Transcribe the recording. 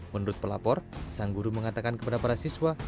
menurut pelapor sang guru mengatakan kepada para siswa